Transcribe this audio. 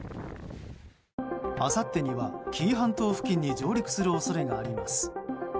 あさってには紀伊半島付近に上陸する恐れがあります。